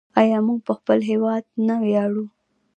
آیا موږ په خپل هیواد نه ویاړو؟